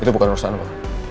itu bukan urusan gue